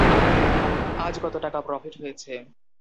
আজ কত টাকা প্রফিট হয়েছে?